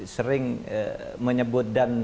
sering menyebut dan